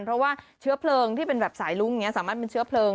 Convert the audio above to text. เพราะว่าเชื้อเพลิงที่เป็นแบบสายลุ้งอย่างนี้สามารถเป็นเชื้อเพลิง